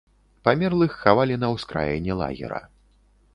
Памерлых хавалі на ўскраіне лагера.